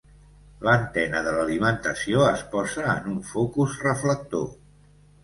L'antena de l'alimentació es posa en un focus reflector.